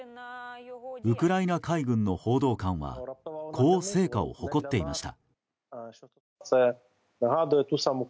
ウクライナ海軍の報道官はこう、成果を誇っていました。